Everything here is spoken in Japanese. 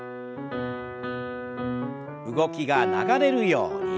動きが流れるように。